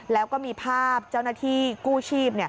แล้วก็มีภาพเจ้าหน้าที่กู้ชีพ